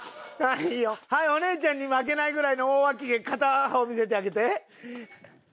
お姉ちゃんに負けないぐらいの大わき毛片方見せてあげて。